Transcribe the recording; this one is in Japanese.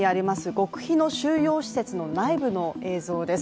極秘の収容施設の内部の映像です。